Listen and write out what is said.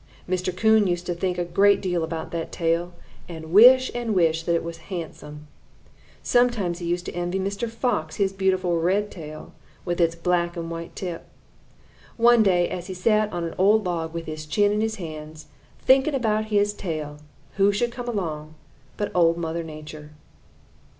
Mr. Coon used to think a great deal about that tail and wish and wish that it was handsome. Sometimes he used to envy Mr. Fox his beautiful red tail with its black and white tip. One day, as he sat on an old log with his chin in his hands, thinking about his tail, who should come along but Old Mother Nature.